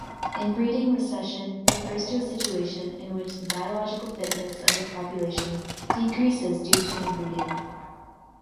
Inbreeding recession refers to a situation in which the biological fitness of a population decreases due to inbreeding.